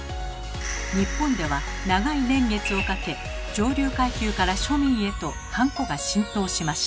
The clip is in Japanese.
日本では長い年月をかけ上流階級から庶民へとハンコが浸透しました。